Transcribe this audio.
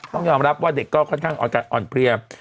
ต้องยอมรับว่าเด็กก็ค่อนข้างอ่อนเพลีย